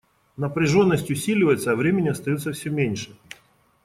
Напряженность усиливается, а времени остается все меньше.